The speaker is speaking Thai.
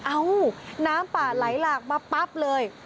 เอ้าน้ำป่าไหลหลากมาปั๊บเลย